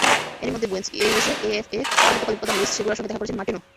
এরই মধ্যে বুয়েনস এইরেসে এএফএ অন্তর্বর্তীকালীন প্রধান লুইস সেগুরার সঙ্গে দেখা করেছেন মার্টিনো।